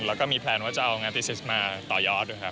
แล้วก็มีแพลนว่าจะเอางานพิซิสมาต่อยอดด้วยครับ